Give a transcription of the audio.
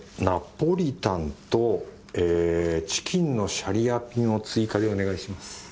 ナポリタンとえチキンのシャリアピンを追加でお願いします。